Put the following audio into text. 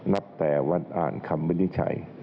นับแต่วันอ่านคำวินิจฉัย